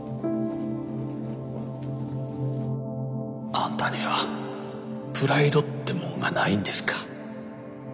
あんたにはプライドってもんがないんですか。